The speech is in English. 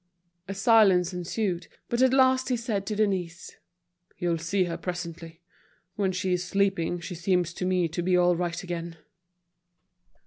A silence ensued, but at last he said to Denise: "You'll see her presently. When she is sleeping, she seems to me to be all right again."